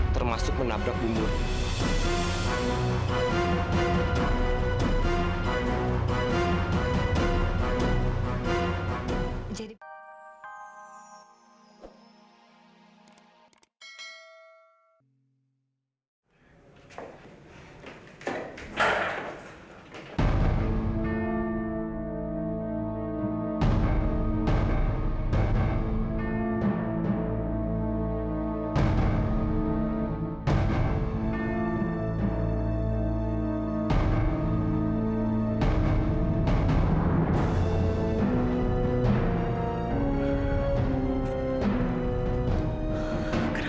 termasuk menabrak bu murni